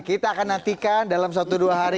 kita akan nantikan dalam satu dua hari